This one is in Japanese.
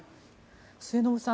末延さん